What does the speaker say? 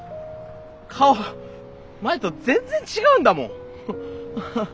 顔前と全然違うんだもん。